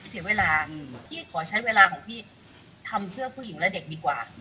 เสียเวลาพี่ขอใช้เวลาของพี่ทำเพื่อผู้หญิงและเด็กดีกว่า